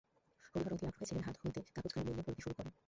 হরিহর অধীর আগ্রহে ছেলের হাত হইতে কাগজখানা লইয়া পড়িতে শুরু করে।